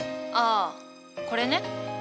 ああこれね。